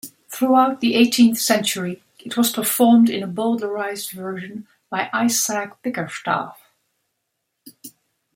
Throughout the eighteenth century it was performed in a bowdlerized version by Isaac Bickerstaffe.